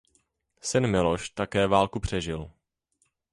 Syn Miloš také válku přežil.